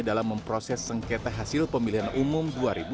dalam memproses sengketa hasil pemilihan umum dua ribu sembilan belas